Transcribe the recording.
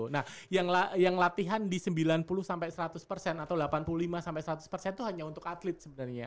nah yang latihan di sembilan puluh seratus atau delapan puluh lima seratus itu hanya untuk atlet sebenernya